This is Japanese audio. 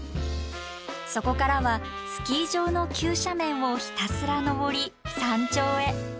そこからはスキー場の急斜面をひたすら登り山頂へ。